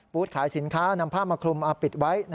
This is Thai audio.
ขายสินค้านำผ้ามาคลุมปิดไว้